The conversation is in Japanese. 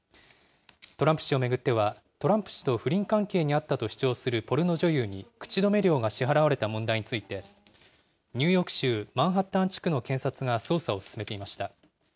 トランプ氏を巡っては、トランプ氏と不倫関係にあったと主張するポルノ女優に口止め料が支払われた問題について、ニューヨーク州マンハッタン地区の検察が捜査を進めていました。